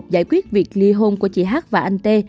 giải quyết việc ly hôn của chị h và anh t